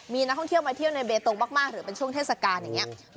มีนักท่องเที่ยวมาเที่ยวในเบตงมากหรือเป็นช่วงเทศกาลอย่างนี้